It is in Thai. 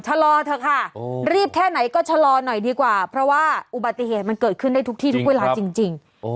ชะลอเถอะค่ะรีบแค่ไหนก็ชะลอหน่อยดีกว่าเพราะว่าอุบัติเหตุมันเกิดขึ้นได้ทุกที่ทุกเวลาจริง